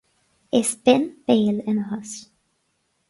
Is binn béal ina thost